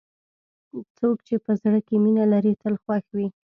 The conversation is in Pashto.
څوک چې په زړه کې مینه لري، تل خوښ وي.